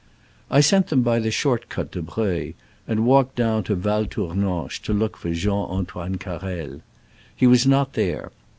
I sent them by the short cut to Breuil, and walked down to Val Tournanche to look for Jean Antoine Carrel. He was not there.